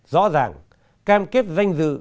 rõ ràng cam kết danh dự